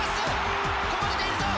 こぼれているぞ。